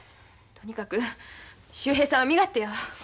とにかく秀平さんは身勝手やわ。